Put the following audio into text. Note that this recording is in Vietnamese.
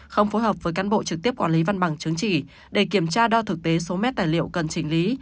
không phối hợp với cán bộ trực tiếp quản lý văn bằng chứng chỉ để kiểm tra đo thực tế số mét tài liệu cần chỉnh lý